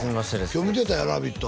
今日見てたよ「ラヴィット！」